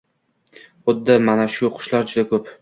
Xuddi mana shu qushlar juda ko’p.